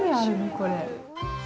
これ。